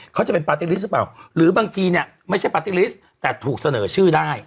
เขาจะเป็นปาร์ตี้ลิสต์หรือเปล่าหรือบางทีเนี่ยไม่ใช่ปาร์ตี้ลิสต์แต่ถูกเสนอชื่อได้